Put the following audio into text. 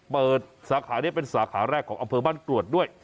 สาขานี้เป็นสาขาแรกของอำเภอบ้านกรวดด้วย